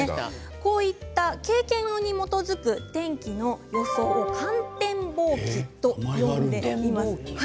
こういった経験に基づく天気の予想を観天望気といいます。